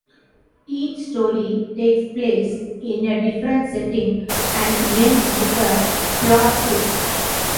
Each story takes place in a different setting and ends with a plot twist.